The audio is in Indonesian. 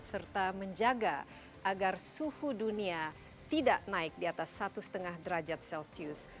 serta menjaga agar suhu dunia tidak naik di atas satu lima derajat celcius